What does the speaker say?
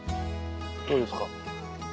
どうですか？